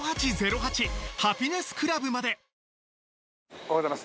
おはようございます。